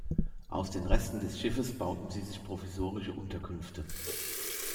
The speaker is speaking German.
Aus den Resten des Schiffes bauten sie sich provisorische Unterkünfte.